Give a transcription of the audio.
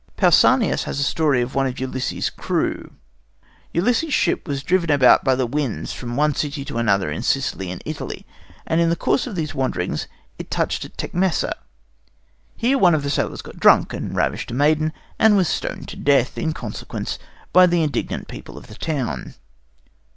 Pausanias has a story of one of Ulysses' crew. Ulysses' ship was driven about by the winds from one city to another in Sicily and Italy, and in the course of these wanderings it touched at Tecmessa. Here one of the sailors got drunk and ravished a maiden, and was stoned to death in consequence by the indignant people of the town.